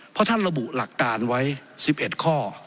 เพราะท่านระบุหลักการไว้๑๑ข้อ